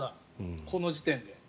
この時点では。